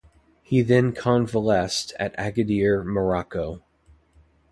He then convalesced at Agadir, Morocco.